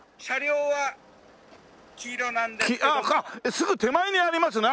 すぐ手前にありますね！